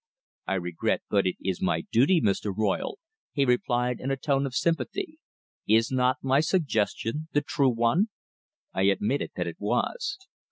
"I regret, but it is my duty, Mr. Royle," he replied in a tone of sympathy. "Is not my suggestion the true one?" I admitted that it was.